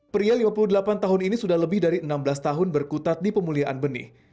pria lima puluh delapan tahun ini sudah lebih dari enam belas tahun berkutat di pemulihan benih